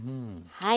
はい。